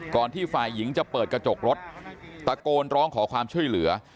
ที่ฝ่ายหญิงจะเปิดกระจกรถตะโกนร้องขอความช่วยเหลือ